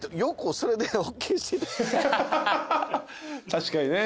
確かにね。